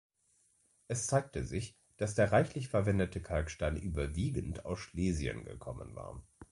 Es zeigte sich, dass der reichlich verwendete Kalkstein überwiegend aus Schlesien gekommen war.